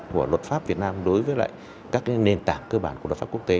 của luật pháp việt nam đối với các nền tảng cơ bản của luật pháp quốc tế